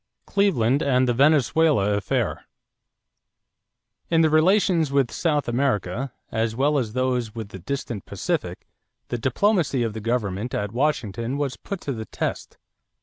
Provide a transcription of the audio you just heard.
=Cleveland and the Venezuela Affair.= In the relations with South America, as well as in those with the distant Pacific, the diplomacy of the government at Washington was put to the test.